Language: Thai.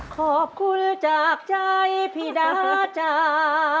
ขอบคุณจากใจพี่ดาจ้า